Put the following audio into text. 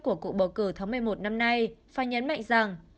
của cuộc bầu cử tháng một mươi một năm nay và nhấn mạnh rằng